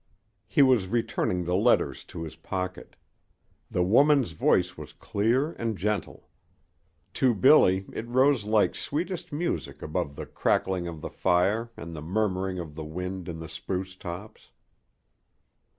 He was returning the letters to his pocket. The woman's voice was clear and gentle. To Billy it rose like sweetest music above the crackling of the fire and the murmuring of the wind in the spruce tops.